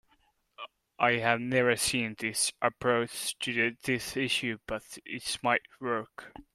I have never seen this approach to this issue, but it might work.